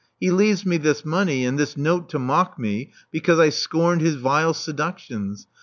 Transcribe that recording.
He leaves me this money, and this note to mock me because I scorned his vile seductions.